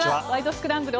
スクランブル」